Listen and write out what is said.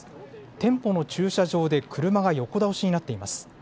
店舗の駐車場で車が横倒しになっています。